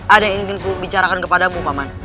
ada yang ingin ku bicarakan kepadamu maman